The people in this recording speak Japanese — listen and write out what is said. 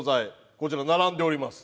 こちら並んでおります。